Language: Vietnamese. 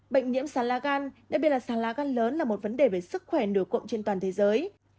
bệnh nhiễm sán lá gan đại biệt là sán lá gan lớn là một vấn đề về sức khỏe nửa cộng trên toàn thế giới